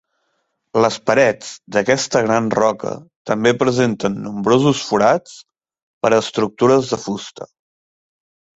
Les parets d'aquesta gran roca també presenten nombrosos forats per a estructures de fusta.